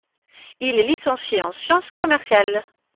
Il est licencié en sciences commerciales.